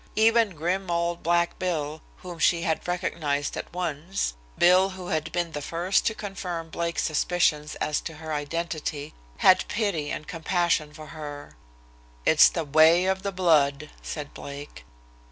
Even grim old "Black Bill," whom she had recognized at once, Bill, who had been the first to confirm Blake's suspicions as to her identity, had pity and compassion for her. "It's the way of the blood," said Blake.